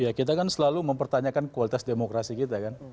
ya kita kan selalu mempertanyakan kualitas demokrasi kita kan